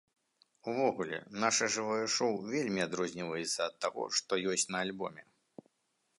Увогуле, наша жывое шоў вельмі адрозніваецца ад таго, што ёсць на альбоме.